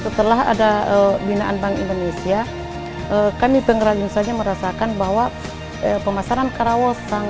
setelah ada binaan bank indonesia kami pengrajin saja merasakan bahwa pemasaran karawasan